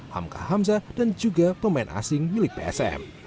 hamka hamzah dan juga pemain asing milik psm